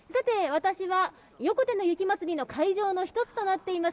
私は横手のゆきつまりの会場の一つとなっています